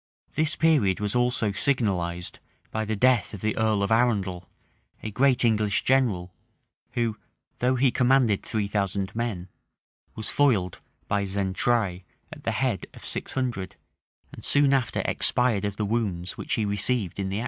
This period was also signalized by the death of the earl of Arundel,[] a great English general, who, though he commanded three thousand men, was foiled by Xaintrailles at the head of six hundred, and soon after expired of the wounds which he received in the action.